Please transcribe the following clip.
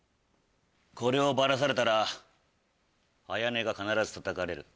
これをバラされたら綾音が必ずたたかれる。